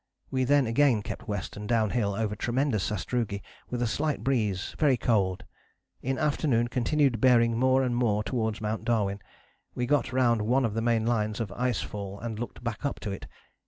We then again kept west and downhill over tremendous sastrugi, with a slight breeze, very cold. In afternoon continued bearing more and more towards Mount Darwin: we got round one of the main lines of ice fall and looked back up to it....